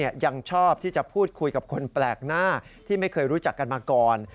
ยังชอบที่จะพูดคุยกับคนแปลกหน้าที่ไม่เคยรู้จักกันมาก่อน